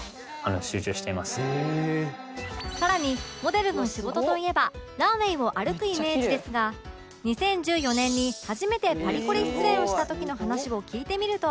更にモデルの仕事といえばランウェイを歩くイメージですが２０１４年に初めてパリコレ出演をした時の話を聞いてみると